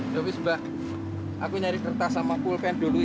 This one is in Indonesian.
ya wiss mbak aku nyari kertas sama pulpen dulu ya